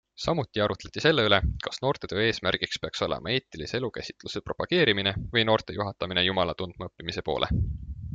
Samuti arutleti selle üle, kas noortetöö eesmärgiks peaks olema eetilise elukäsitluse propageerimine või noorte juhatamine Jumala tundmaõppimise poole.